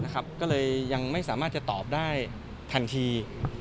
ก็เลยยังไม่สามารถจะตอบได้ทันที